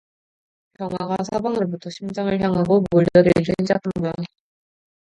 병마가 사방으로부터 심장을 향하고 몰려들기를 시작한 모양이다.